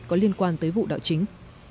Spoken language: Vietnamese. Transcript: có liên quan tới vụ đảo chính